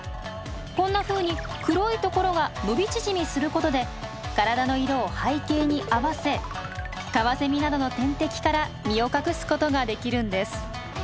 こんなふうに黒いところが伸び縮みすることで体の色を背景に合わせカワセミなどの天敵から身を隠すことができるんです。